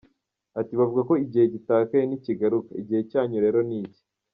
Ati “Bavuga ngo igihe gitakaye ntikigaruka, igihe cyanyu rero ni iki.